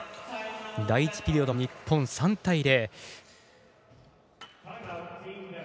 第１ピリオド、日本３対０。